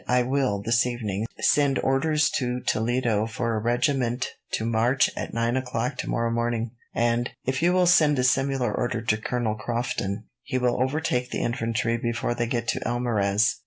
"I will, this evening, send orders to Toledo for a regiment to march at nine o'clock tomorrow morning, and, if you will send a similar order to Colonel Crofton, he will overtake the infantry before they get to Almarez."